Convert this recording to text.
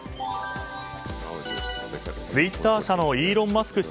ツイッター社のイーロン・マスク